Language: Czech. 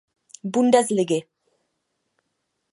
Bundesligy.